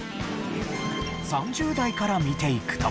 ３０代から見ていくと。